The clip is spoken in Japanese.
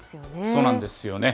そうなんですよね。